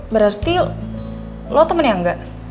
berarti lo temen yang enggak